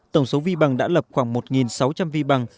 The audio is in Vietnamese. tổng số vi bằng đã lập khoảng một sáu trăm linh vi bằng